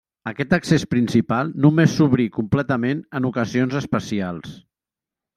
Aquest accés principal només s'obri completament en ocasions especials.